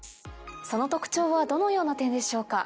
その特徴はどのような点でしょうか？